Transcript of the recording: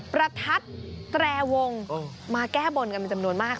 ประทัดแตรวงมาแก้บนกันเป็นจำนวนมาก